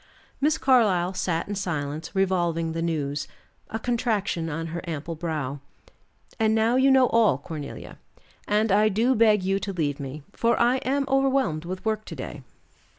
Miss Carlyle sat in silence revolving the news, a contraction on her ample brow. "And now you know all, Cornelia, and I do beg you to leave me, for I am overwhelmed with work to day."